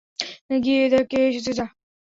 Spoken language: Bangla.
গিয়ে দেখ কে এসেছে, যা!